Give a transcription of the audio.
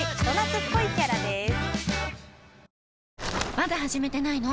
まだ始めてないの？